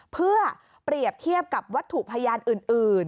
เพื่อเปรียบเทียบกับวัตถุพยานอื่น